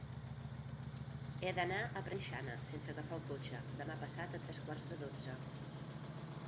He d'anar a Preixana sense agafar el cotxe demà passat a tres quarts de dotze.